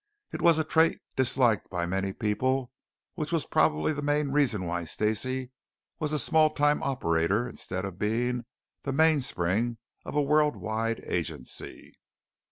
It was a trait disliked by many people, which was probably the main reason why Stacey was a small time operator instead of being the mainspring of a world wide agency.